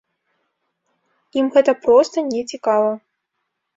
Ім гэта проста не цікава.